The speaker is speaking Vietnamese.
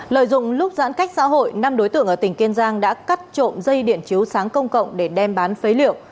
lợi dụng lúc giãn cách xã hội năm đối tượng ở tỉnh kiên giang đã cắt trộm dây điện chiếu sáng công cộng để đem bán phế liệu